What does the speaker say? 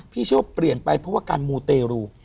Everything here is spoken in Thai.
เชื่อว่าเปลี่ยนไปเพราะว่าการมูเตรู